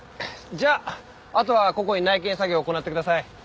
じゃああとは個々に内検作業を行ってください。